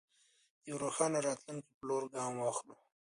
د یوه روښانه راتلونکي په لور ګام واخلو.